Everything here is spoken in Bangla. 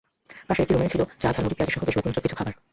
পাশের একটি রুমে ছিল চা, ঝালমুড়ি, পিয়াজুসহ বেশ মুখরোচক কিছু খাবার।